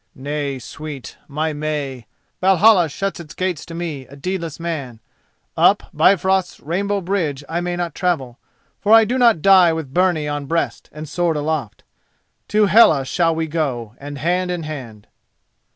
"Nay, sweet, my May, Valhalla shuts its gates to me, a deedless man; up Bifrost's rainbow bridge I may not travel, for I do not die with byrnie on breast and sword aloft. To Hela shall we go, and hand in hand."